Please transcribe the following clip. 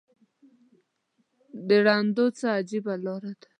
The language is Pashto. د رندانو څه عجیبه لاره ده.